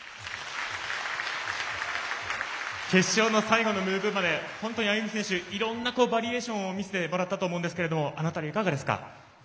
決勝の最後のムーブまで本当にＡＹＵＭＩ選手にいろんなバリエーションを見せてもらったと思うんですけどあの辺り、いかがでしたか。